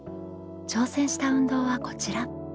挑戦した運動はこちら。